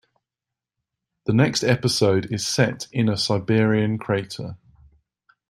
The next episode is set in a Siberian crater.